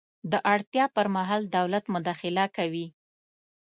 د اړتیا پر مهال دولت مداخله کوي.